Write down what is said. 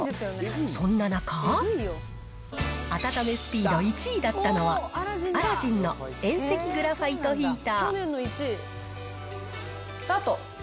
そんな中、温めスピード１位だったのは、アラジンの遠赤グラファイトヒーター。スタート。